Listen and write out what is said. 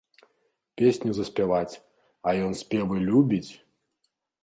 Песню заспяваць, а ён спевы любіць!